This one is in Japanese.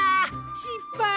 しっぱい！